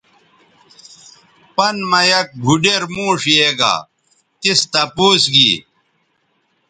پَن مہ یک بُھوڈیر موݜ یے گا تِس تپوس گی